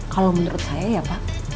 kalau menurut saya ya pak